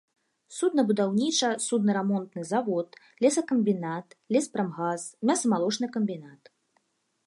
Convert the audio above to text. Суднабудаўніча-суднарамонтны завод, лесакамбінат, леспрамгас, мяса-малочны камбінат.